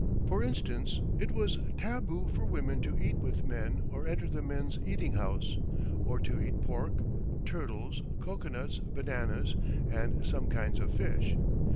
For instance, it was tabu for women to eat with men or enter the men's eating house, or to eat pork, turtles, cocoanuts, bananas and some kinds of fish.